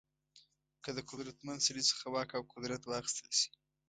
که د قدرتمن سړي څخه واک او قدرت واخیستل شي.